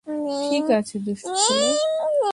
ঠিক আছে, দুষ্টু ছেলে!